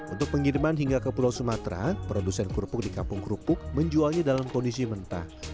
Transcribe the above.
untuk pengiriman hingga ke pulau sumatera produsen kerupuk di kampung kerupuk menjualnya dalam kondisi mentah